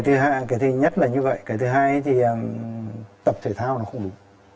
thế là cái thứ nhất là như vậy cái thứ hai thì tập thể thao nó không đủ